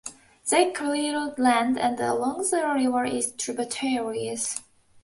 They cleared land along the river its tributaries.